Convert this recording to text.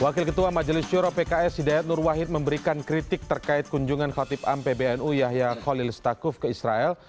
wakil ketua majelis syuro pks hidayat nur wahid memberikan kritik terkait kunjungan khotib am pbnu yahya khalilistakuf ke israel